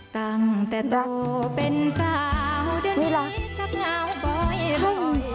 ตั้งแต่โตเป็นเกาเดือนนี้ชักเหงาเบาเหมือนกัน